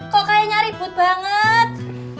kok kayaknya ribut banget